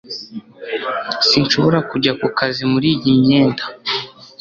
sinshobora kujya ku kazi muri iyi myenda